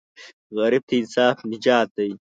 غریب ته انصاف نجات دی